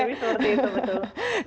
mungkin seperti itu betul